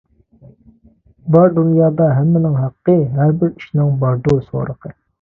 بار دۇنيادا ھەممىنىڭ ھەققى، ھەر بىر ئىشنىڭ باردۇر سورىقى.